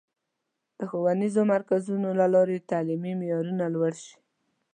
د ښوونیزو مرکزونو له لارې تعلیمي معیارونه لوړ شي.